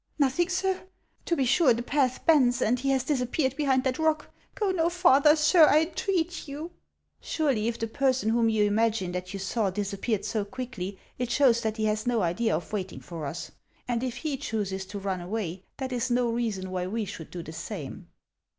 "Nothing, sir? To be sure, the path bends, and he has disappeared behind that rock. Go no farther, sir, I entreat you." " Surely, if the person whom you imagine that you saw disappeared so quickly, it shows that he has no idea of waiting for us ; and if he chooses to run away, that is no reason why we should do the same."